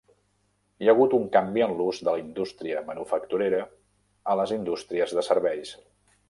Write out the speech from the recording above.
Hi ha hagut un canvi en l'ús de la indústria manufacturera a les indústries de serveis.